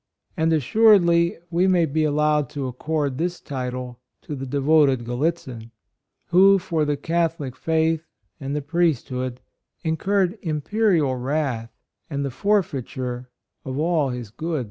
And, assuredly, we may be allowed to accord this title to the devoted Gallitzin, who, for the Catholic faith and the priesthood, incurred imperial wrath and the forfeiture of all his goods.